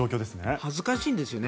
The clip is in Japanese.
恥ずかしいんですよね。